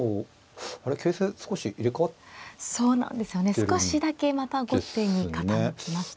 少しだけまた後手に傾きました。